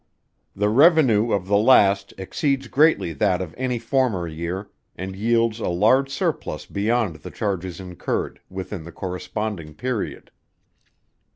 The Revenue of the last exceeds greatly that of any former year, and yields a large surplus beyond the charges incurred, within the corresponding period.